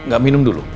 gak minum dulu